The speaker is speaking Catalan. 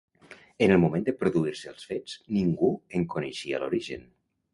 En el moment de produir-se els fets, ningú en coneixia l'origen.